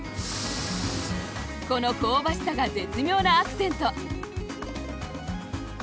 この香ばしさが絶妙なアクセント。